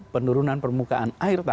penurunan permukaan air